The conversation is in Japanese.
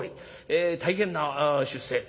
大変な出世。